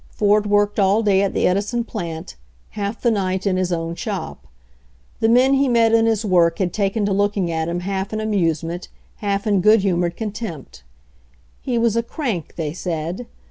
Ford worked all day at the Edison plant, half the night in his own shop. The men he met in his work had taken to looking at him half in amusement, half in good humored contempt. He was a "crank," they said.